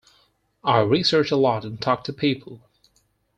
I research a lot and talk to people.